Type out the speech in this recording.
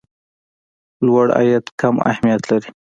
لوړ عاید کم اهميت لري.